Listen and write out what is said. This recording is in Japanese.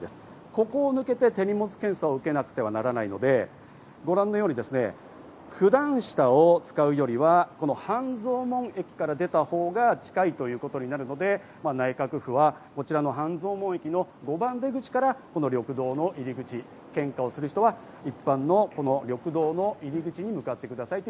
ここを抜けて手荷物検査を受けなくてはならないので、ご覧のように九段下を使うよりは半蔵門駅から出たほうが近いということになるので内閣府は、半蔵門駅の５番出口から緑道の入り口、献花をする人は一般の緑道の入口に向かってくださいと